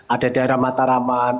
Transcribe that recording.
ada daerah mataraman